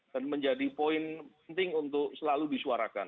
dan menjadi poin penting untuk selalu disuarakan